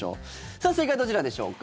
さあ、正解どちらでしょうか。